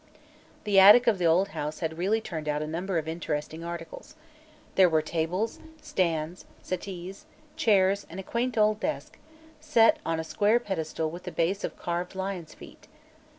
The attic of the old house had really turned out a number of interesting articles. There were tables, stands, settees, chairs, and a quaint old desk, set on a square pedestal with a base of carved lions' feet.